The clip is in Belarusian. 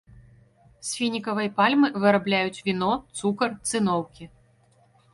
З фінікавай пальмы вырабляюць віно, цукар, цыноўкі.